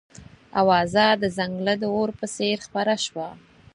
اوازه د ځنګله د اور په څېر خپره شوه.